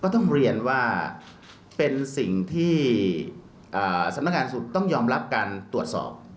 ต้องเรียนว่าเป็นสิ่งที่ต้องยอมรับการตรวจสอบ